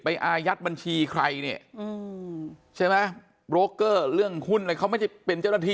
ไปอายัดบัญชีใครเนี่ยใช่ไหมโตเกอร์เรื่องหุ้นก็ไม่พูดเป็นเจ้านัทย์